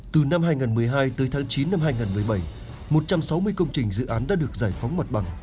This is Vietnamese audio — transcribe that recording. từ năm hai nghìn một mươi hai tới tháng chín năm hai nghìn một mươi bảy một trăm sáu mươi công trình dự án đã được giải phóng mặt bằng